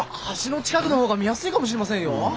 橋の近くの方が見やすいかもしれませんよ。